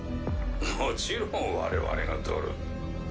もちろん我々が取る。